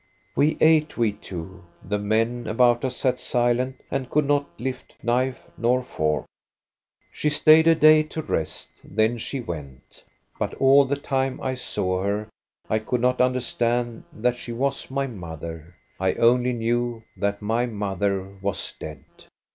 •* We ate, we two. The men about us sat silent and could not lift knife nor fork. " She stayed a day to rest, then she went But all the time I saw her, I could not understand that she was my mother. I only knew that my mother was dead.